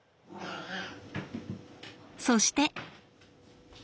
そして。